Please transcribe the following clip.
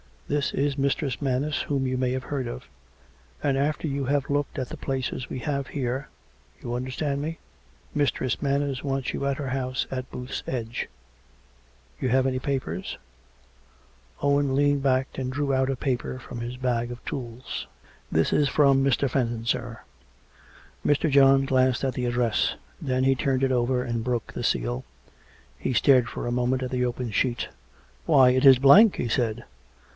This is Mistress Manners, whom you may have heard of. And after you have looked at the places we have here — you understand me? — Mistress Manners wants you at her house at Booth's Edge. ... You have any papers ?" COME RACK! COME ROPE! 195 Owen leaned back and drew out a paper from his bag of tools. " TRis is from Mr. Fenton, sir." Mr. John glanced at the address; then he turned it over and broke the seal. He stared for a moment at the open sheet. " Why, it is blank !" he said.